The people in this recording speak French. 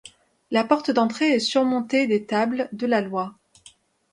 La porte d'entrée est surmontée des tables de la Loi.